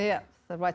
iya serba cepat